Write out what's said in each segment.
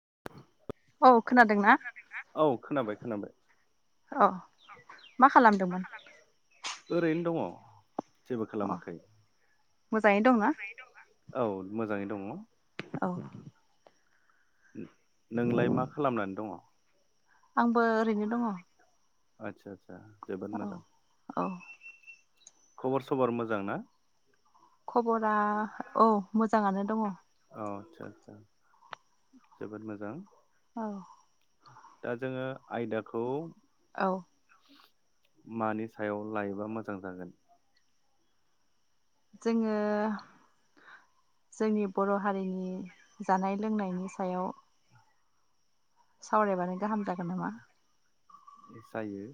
[inaudible] [inaudible] औ खोनादोंना औ खोनाबाय खोनाबाय। अ मा खालामदोंमोन। ओरैनो दंङ। जेबो खालामाखै। मोजांङै दंना। दंङ। औ। उम नोंलाय मा खालामनानै दंङ। आंबो ओरैनो दंङ। आतसा। आ जोबोद मोजां। औ। खबर सबर मोजां ना। खबरा औ मोजांङानो दङ। अ आचसा आसा जोबोद मोजां। औ। दा जोंङो आयदाखौ। औ। मानि सायाव लायोबा मोजां जागोन। जोंङो जोंनि बर हारिनि जानाय लोंनायनि सायाव। सावरायबानो गाहाम जागोन नामा। जायो।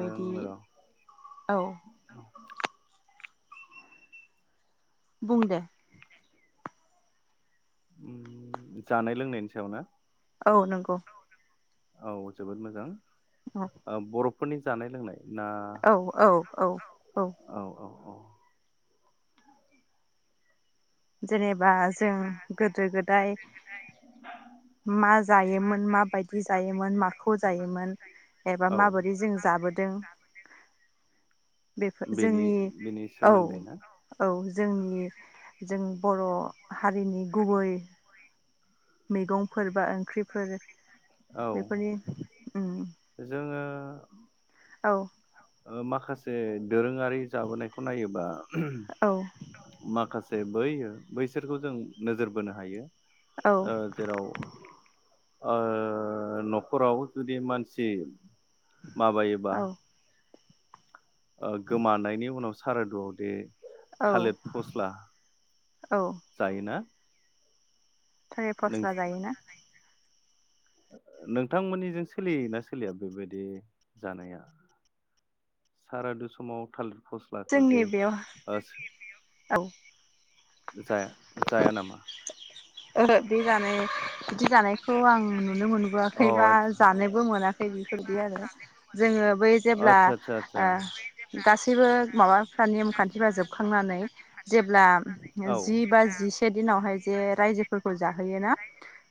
ओं र' औ। बुं दे। जानाय लोंनायनि सायावनो। औ नंगौ औ जोबोद मोजां। औ बर्फ। फोरनि जानाय लोंनाय। ना औ औ औ औ। औ औ जेनेबा। बा जों गोदो गोदाय मा जायोमोन माबायदि जायोमोन माखौ जायोमोन एबा औ माबोरै जों जाबोदों। बेफोर बेनि जोंनि बेनि औ सोमोन्दै ना औ। जोंनि जों बर' हारिनि गुबै मैगंफोर बा ओंख्रिफोर औ बेफोरनि [inaudible] औ। माखासे दोरोङारि जाबोनायखौ नायोबा। औ माखासे जे बै बैसोरखौ जों नोजोर बोनो हायो। औ ओं जेराव। न'खराव जुदि मानसि। माबायोबा। औ गोमानायनि उनाव। सारादुआव दे। औ थालिर फस्ला औ जायोना। थालिर नों फस्ला जायोना। नोंथांमोननिजों सोलियोना सोलिया बेबायदि जानाया सारादु समाव थालिर। फस्लाखौ जोंनि जे बेयाव औ। जाया जाया नामा। ओहो बे जानाय बिदि जानायखौ आं नुनो अ मोनबोआखै बा जानोबो मोनाखै बेफोर बायदि आरो जोङो बै जेब्ला आदसा आदसा आदसा गासैबो माबाफ्रा नेमखान्थिफ्रा जोबखांनानै जेब्ला औ जि बा जिसे दिनावहाय जे रायजो जाहोयोना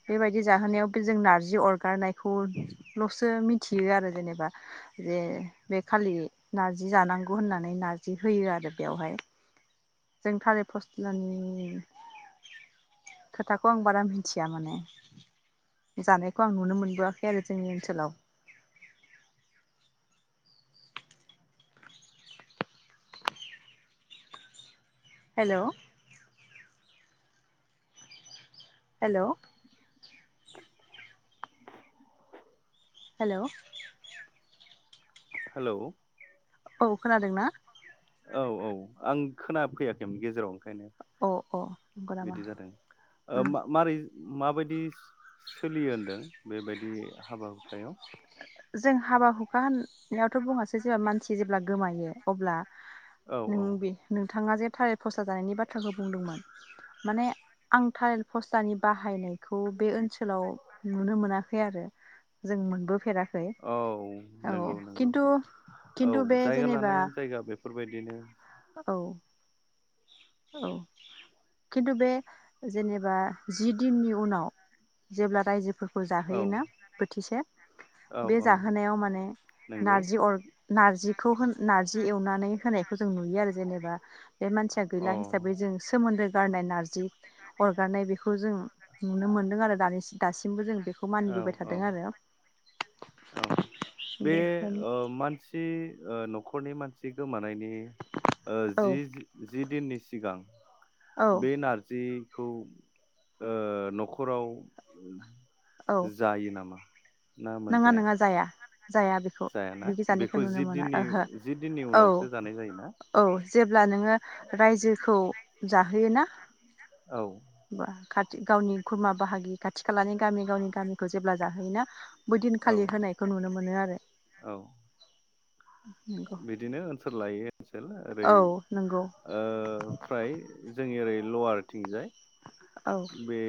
बेबायदि जाहोनायावबो जों नारजि अरगारनायखौलसो मिथियो आरो जेनेबा जे बे खालि नारजि जानांगौ होननानै नारजि होयो आरो बेयावहाय जों थारिर फस- लानि खोथाखौ आं बारा मिथिया माने जानायखौ आं नुनो मोनबोआखै आरो जोंनि ओनसोलाव हेलौ हेलौ हेलौ हेलौ औ खोनादों ना? औ औ आं खोना फैयाखैमोन गेजेराव ओंखायनो अ अ नंगौ नामा बिदि जादों ओ उम मा-मारै माबायदि सो-सो-सोलियो होनदों बेबायदि हाबा। हुखायाव जों हाबा हुखा होनायावथ बुङासै जेब्ला मानसि जेब्ला गोमायो अब्ला औ नों बे औ नों नोंथाङा जे थारेल फसला जानायनि बाथ्राखौ बुंदोंमोन माने आं थारेल पसलानि बाहायनायखौ बे ओनसोलाव नुनो मोनाखै आरो। जों [unintelligible] खै औ औ नंगौ नंगौ खिन्थु औ -खिन्थु बे जायगा जेनेबा लानाय जायगा बेफोरबायदिनो औ औ खिन्थु बे जेनेबा जि दिननि उनाव जेब्ला रायजोफोर [unintelligible] औ जाहोयोना बोथिसे औ बे औ जाहोनायाव माने नंगौ नारजि अर नारजिखौ होन नार्जि एवनानै होनायखौ जों नुयो आरो जेनेबा बे मानसिया गैला अ हिसाबै जों सोमोन्दो गारनाय नारजि अरगारनाय बेखौ जों नुनो मोनदों आरो दासिमबो जों बेखौ औ मानिबोबाय औ थादों आरो औ बे ओ मानसि ओ नखरनि मानसि गोमानाय [unintelligible] औ जि जि दिननि सिगां औ बे नारजि [unintelligible] ओ नखराव औ जायो नामा? ना नङा मोनजाया नङा जाया। जाया बेखौ जायाना बिगो जानायखौ बेखौ नुनो जि मोना दिननि ओहो जि दिननि औ उनावसो जानाय जायोना औ। अब्ला नोङो रायजोखौ जाहोयो ना औ [unintelligible] गावनि खुरमा बाहागि खाथि खालानि गामि गावनि गामिखौ जेब्ला जाहोयोना बै औ दिनखालि होनायखौ नुनो मोनो। मोनो आरो। औ नंगौ बिदिनो ओनसोल लायै ओनसोल ओरै औ नंगौ ओ फ्राय जोंनि ओरै लवार थिं जाय औ बे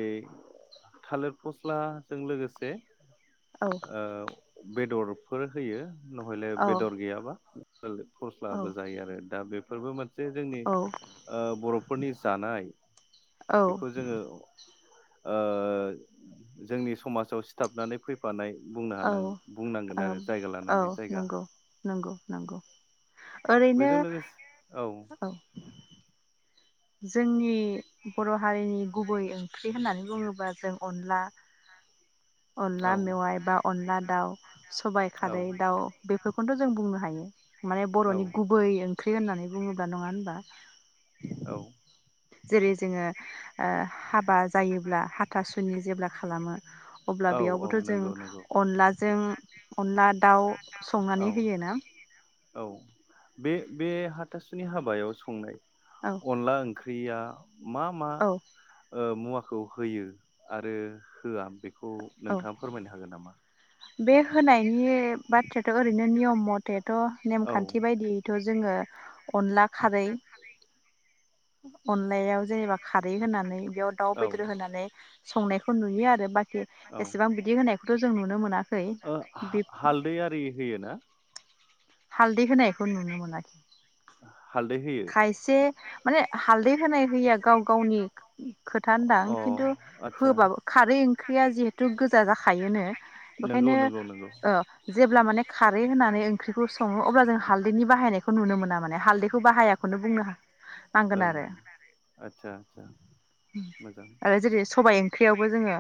थालिर फस्लाजों लोगोसे औ ओ बेदरफोर होयो। नहयले औ बेदर गैयाबा थालेद औ फसलाबो जायो आरो दा बे फोर्बोमोन जे जोंनि औ ओ बर'फोरनि जानाय बेखौ ओ जोंनि समाजाव सिथाबनानै फैफानाय। बुंनो हानां औ बुंनांगोन औ आरो जायगा लानानै जायगा। नांगौ। ओरैनो बेजों लोगोसे औ। जोंनि बर' हारिनि गुबै ओंख्रि होननानै बुङोबा जों अनला अनला औ मेवाय बा अनला दाउ। [inaudible] सबाइ औ खारै दाउ बे बेखौनोथ' जों बुंनो हायो। माने औ बर'नि गुबै ओंख्रि थै होननानै बुङोब्ला नङा होनबा? औ। जेरै जोङो ओ हाबा। जायोब्ला हाथासुनि जेब्ला खालामो अब्ला औ औ बेयावबोथ' जों नंगौ नंगौ अनलाजों अनला दाउ औ संनानै होयो ना? औ बे बे हाथासुनि हाबायाव संनाय। औ अनला ओंख्रि गैया। मा मा औ ओ मुवा। खौ होयो आरो होआ बे। बेखौ औ नोंथाङा फोरमायनो हागोन नामा? बे होनायनि बाथ्रायाथ' ओरैनो नियम मथे थ' औ नेमखान्थि बायदियैथ' जोङो अनला खारै अनलायाव जेनेबा खारै होनानै याव दाउ औ बेदर होनानै संनायखौ नुयो आरो बाख औ एसेबां बिदि होनाय खौथ' जों नुनो मोना ओ हा-हालदै आरि होयो ना? हालदै होनायखौ नुनो मोना हालदै होयो खायसे माने हालदै होनाय होयिआ गाव गावनि खोथा होनदां अ खिन्थु आदसा होबाबो खारै ओंख्रिया जिहेथु गोजा जाखायोनो बेखायनो नंगौ नंगौ नंगौ ओ जेब्ला माने खारै होननानै ओ ओंख्रिखौ सङो अब्ला जों हालदैनि बाहायनायखौ नुनो मोना माने। हालदैखौ बाहाया। नो बुंनो नांगोन ओं आरो आदसा आदसा मोजां आरो जेरै सबाय ओंख्रियावबो जोङो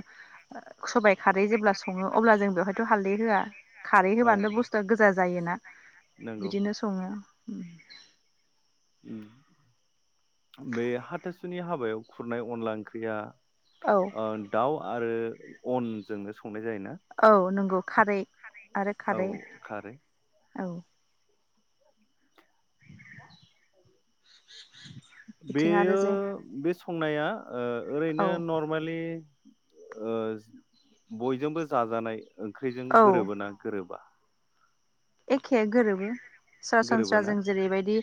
सबाय खारै जेब्ला सङो अब्ला जों बेवहायथ' हालदै होआ खारै औ होबानोथ बुस्थुआ गोजा जायोना नंगौ बिदिनो सङो। उम बे हाथासुनि हाबायाव खुरनाय अनला ओंख्रिया औ ओ दाउ आरो अनजोंनो सं औ नंगौ खारै आरो औ खारै खारै औ बिथिं आरो बेयो जे बे संनाया ओ औ ओरैनो नर्मेलि ओ बयजोंबो जाजानाय ओंख्रिजों औ गोरोबोना गोरोबा? एखे गोरोबो। सरासनस्रा गोरोबोना जों जेरैबायदि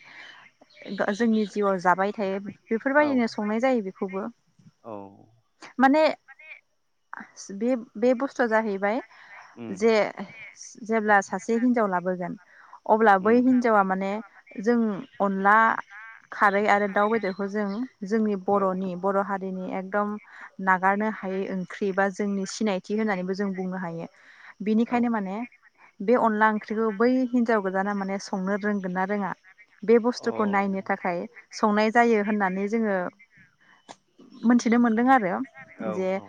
गा जोंनि जिउआव जाबाय थायो औ बेफोरबायदिनो संनाय जायो बेखौबो औ माने बे बे बुस्थुआ जाहैबाय उम जे जेब्ला सासे हिन लाबोगोन अब्ला बै उम हिनजावा माने जों अनला खारै आरो दाउ बेदरखौ जों जोंनि औ बर'नि बर' हारिनि एकदम नागारनो हायै ओंख्रि बा जोंनि सिनायथि होननानैबो जों बुंनो हायो। औ अ बिनिखायनो माने बे अनला ओं ओंख्रिखौ बै हिनजाव गोदाना माने संनो रोंगोन ना रोङा बे बुस्थुखौ नायनो थाखाय संनाय जायो होननानै जोङो मोनथिनो मोन्दों आरो औ जे औ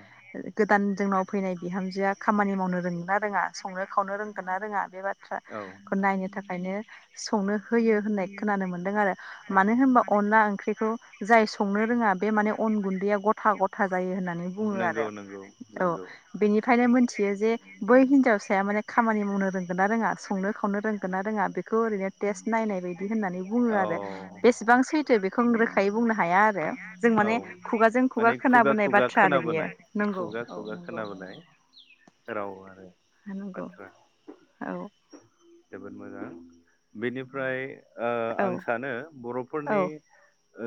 गोदान जोंनाव फैनाय बिहामजोआ खामानि माव संनो रोङोना रोङा संनो खावनो रोंगोना रोङा बेबाद औ खो नायनो थाखायनो संनो होयो होननाय खोनानो मोनदों आरो औ मानो होनबा अनला ओंख्रिखौ जाय संनो रोङा बे माने अन गुन्दैया गथा गथा जायो होननानै बुङो नंगौ आरो नंगौ औ नंगौ बेनिखायनो मोनथियो जे बै हिनजावसाया माने खामानि मावनो रोंगोन ना रोङा संनो खावनो रोंगोन ना रोङा बेखौ ओरैनो टेस्ट नायनाय बायदि होननानै बुङो औ आरो बेसेबां सैथो बेखौ आं रोखायै बुंनो हाया आरो जों माने खुगाजों खुगा माने खोनाबोनाय खुगा बाथ्रा आरो बियो खोनाबोनाय नंगौ खुगा औ खुगा नंगौ। खोनाबोनाय राव आरो। नोंगौ बाथ्रा औ जोबोद मोजां बेनिफ्राय ओ औ आं सानो बर'फोरनि औ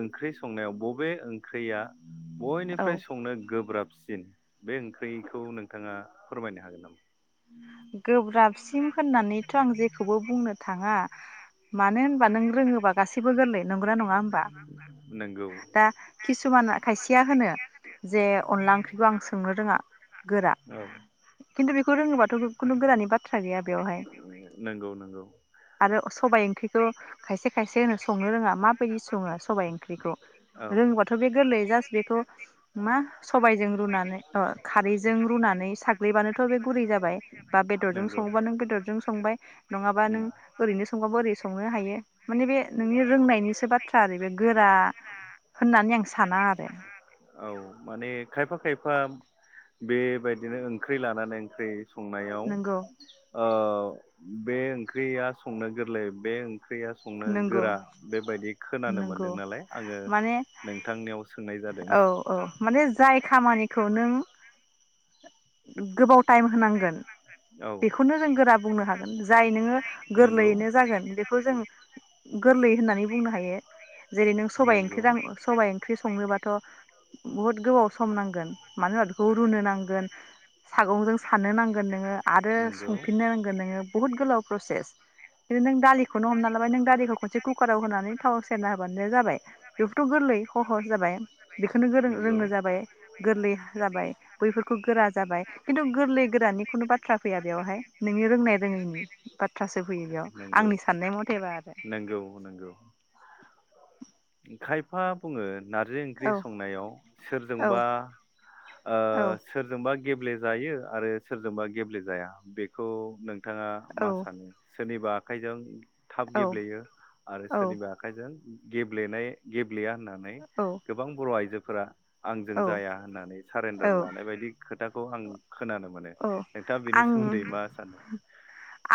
ओंख्रि संनायाव बबे ओंख्रैया औ बयनिफ्राय संनो गोब्राब सिन बे ओंख्रिखौ नोंथाङा फोरमायनो हागोन नामा? गोब्राबसिम होननानैथ' आं जेखौबो बुंनो थाङा मानो होनबा नों रोङोबा गासैबो गोरलै नंगोना नङा होनबा नंगौ दा किसुमाना खायसेया होनो जे अनला ओंख्रिखौ आं सोंनो रोङा गोरा। औ खिन्थु बेखौ रोङोबाथ' खुनु गोरानि बाथ्रा गैया बेवहाय नंगौ नंगौ आरो सबाइ ओंख्रिखौ खायसे खायसे होनो संनो रोङा माबायदि सङो सबाइ ओंख्रिखौ औ रोङोबाथ' बे गोरलैयै जास्ट बेखौ मा सबाइजों रुनानै अ खारैजों रुनानै साग ग्लैबानोथ' बे गुरै जाबाय बा बेदरजों नंगौ सङोबा नों बेदरजों संबाय नङाबा उम नों ओरैनो संबाबो ओरै संनो हायो माने बे नोंनि रोंनायनिसो बाथ्रा आरो बे गोरा होननानै आं साना आरो औ माने खायफा खायफा बेबायदिनो ओंख्रि लानानै ओंख्रि संनायाव नंगौ ओ बे ओंख्रिया संनो गोरलै बे ख्रिया संनो नंगौ गोरा बेबायदि खोनानो नंगौ मोन्दों नालाय आङो नोंथांनियाव सो औ-औ माने जाय खामानिखौ नों गोबाव टाइम होनांगोन औ बेखौनो जों गोरा बुंनो हागोन जाय नोङो नंगौ गोरलैयैनो जागोन बेखौ जों गोरलै होननानै बुंनो हायो। जेरै नों सबाइ नंगौ ओंख्रि दां सबाइ ओंख्रि संनोबाथ थ' बुहुद गोबाव सम नांगोन मानो होनबा बेखौ रुनो नांगोन सागंजों सानो नांगोन नोङो आरो नंगौ संफिननो रोंगोन नोङो बुहुत गोलाव प्रसेस बेदि नों दालि [unintelligible] बेखौनो हमना लाबाय नों गारिखौ खनसे कुकाराव होनानै थावाव सेरना होबानो जाबाय बेखौथ गोरलै खहस जाबाय बेखौनो गोरों नंगौ रोङो जाबाय गोरलै जाबाय बैफोरखौ गोरा जाबाय खिन्थु गोरलै गोरानि खुनु बाथ्रा फैया बेयावहाय नोंनि रोंनाय रोङैनि बाथ्रा सो। फैयो बेयाव आंनि साननाय मथेबा आरो नोंगौ नोंगौ खायफा बुङो नारजि ओंख्रि औ संनायाव औ सोरजोंबा ओ औ सोरजोंबा गेब्लेेजायो आरो सोरजोंबा गेब्लेेजाया बेखौ नों नोंथाङा औ मा सानो? सोरनिबा आखाइजों थाब औ गेब्लेयो आरो सोरनिबा आखाइजों गेप [unintelligible] लेनाय गेब या होननानै औ गोबां बर आइजो फोरा आंजों जाया होननानै औ सारेन्डार लानाय बायदि खोथा खौ आं खोनानो मोनो। नोंथाङा बेनि आं सोमोन्दै मा सानो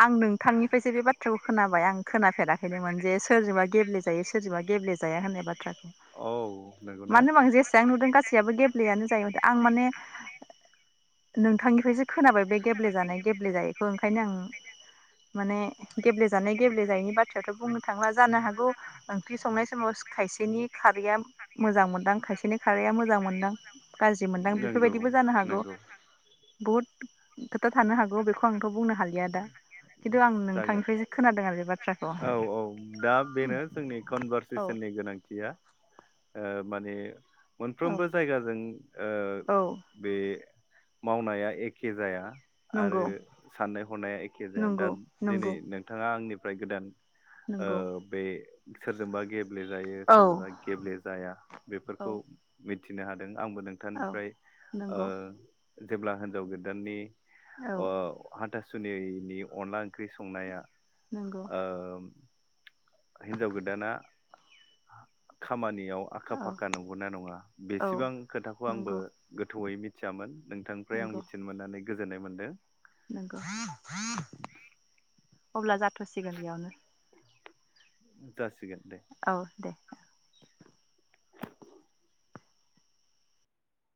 आं नोंथांनिफ्रायसो बे बाथ्राखौ खोनाबाय आं खोनाफेराखैनोमोन जे सोरजोंबा गेब्लेेजायो सोरजोंबा गेब्लेेजाया होननाय बाथ्राखौ औ नंगौना मानो होनोबा आं जेसां नुदों गासैयाबो गेब्लेयानो आं माने नोंथांनिफ्रायसो खोनाबाय बे गेब्लेेजानाय गेब्लेेजायैखौ ओंखायनो आं माने गेब्लेेजानाय गेब्लेेजायैनि बाथ्रायाथ बुंनो थांला जानो हागौ ओंख्रि संनाय समाव खायसेनि खारैया मोजां मोनदां खायसेनि खारैया मोजां मोनदां गाज्रि मोनदां नंगौ बेफोरबायदिबो जानो हागौ नंगौ बहुद खोथा थानो हागौ बेखौ आं थ बुंनो हालिया दा खिन्थु आं जागोन नोंथांनिफ्रायसो खोनादों आरो बे बाथ्राखौ औ औ दा बेनो जोंनि औ कनभारसेसननि गोनांथिया ओ माने औ मोनफ्रोमबो जायगाजों ओ औ बे मावनाया एखे जाया आरो नंगौ साननाय हनाया एखे जाया दा नंगौ दिनै नंगौ नोंथाङा आंनि। ओमफ्राय गोदान। नंगौ ओ बे सोरजोंबा गेब गेब्ले जायो औ सोरजोंबा गेब्लेेजाया औ बेफोरखौ मिथिनो हादों आंबो औ नोंथांनिफ्राय ओ नंगौ जेब्ला हिन्जाव गोदाननि औ अ हाथासुनिनि अनला ओंख्रि संनाया नंगौ ओ हिनजाव गोदाना खामानि याव आखा औ फाखा नंगौना नङा औ बेसेबां खोथाखौ आंबो नंगौ गोथौयै मि थियामोन। नोंथांनिफ्राय आं नंगौ मिथिनो मोननानै गोजोननाय मोनदों। नंगौ अब्ला जाथ'सिगोन बेयावनो। जा औ दे औ।